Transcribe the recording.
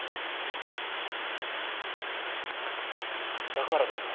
だからですか？